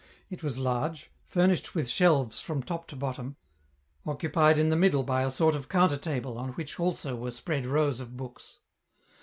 It was large, furnished with shelves from top to bottom, occupied in the middle by a sort of counter table on which also were spread rows of books.